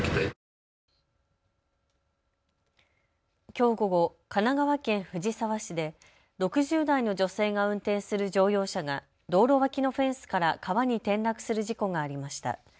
きょう午後、神奈川県藤沢市で６０代の女性が運転する乗用車が道路脇のフェンスから川に転落する事故がありました。